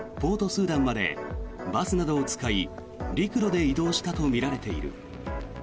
スーダンまでバスなどを使い陸路で移動したとみられている。